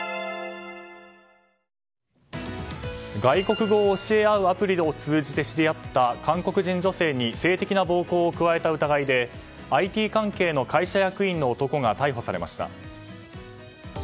外国語を教え合うアプリを通じて知り合った韓国人女性に性的な暴行を加えた疑いでＩＴ関係の会社役員の男が逮捕されました。